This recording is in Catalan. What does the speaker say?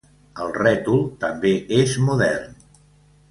El rètol també és modern.